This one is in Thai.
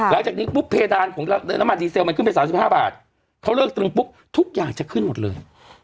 หลังจากนี้ปุ๊บเพดานของน้ำมันดีเซลมันขึ้นไป๓๕บาทเขาเลิกตรึงปุ๊บทุกอย่างจะขึ้นหมดเลย